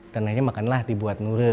dan akhirnya makanya lah dibuat lure